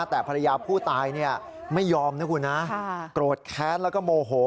แต่ภรรยาผู้ตายไม่ยอมนะคุณนะโกรธแค้นแล้วก็โมโห